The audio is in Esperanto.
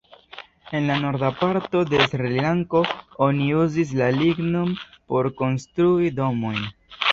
En la Norda parto de Srilanko oni uzis la lignon por konstrui domojn.